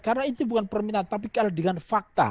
karena itu bukan permintaan tapi kalau dengan fakta